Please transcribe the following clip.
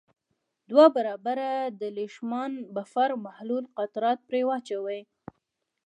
دوه برابره د لیشمان بفر محلول قطرات پرې واچوئ.